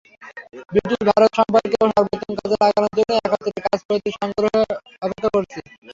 ব্রিটিশ-ভারত সম্পর্ককে সর্বোত্তমভাবে কাজে লাগানোর জন্য একত্রে কাজ করতে সাগ্রহে অপেক্ষা করছি।